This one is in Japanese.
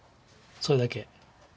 それだけ。